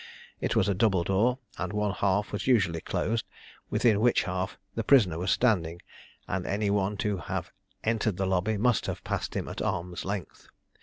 It was a double door, and one half was usually closed, within which half the prisoner was standing, and any one to have entered the lobby must have passed him at arm's length.